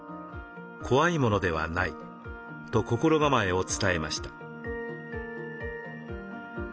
怖いものではない」と心構えを伝えました。